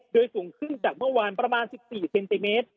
โดยสูงขึ้นจากเมื่อวานประมาณ๑๔เซนติเมตร